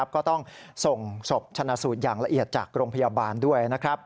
ก็ต้องส่งศพชนะสูตรอย่างละเอียดจากโรงพยาบาลด้วย